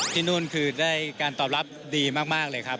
ที่นู่นคือได้การตอบรับดีมากเลยครับ